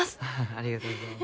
ありがとうございます。